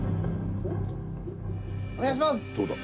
「お願いします！」